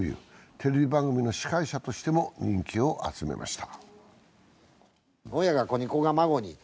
テレビ番組の司会者としても人気を集めました。